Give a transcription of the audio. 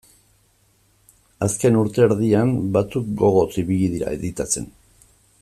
Azken urte erdian batzuk gogoz ibili dira editatzen.